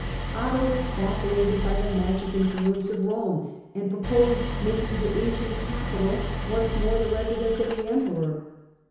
Otto was fascinated by the magic influence of Rome, and purposed making the ancient capital once more the residence of the emperor.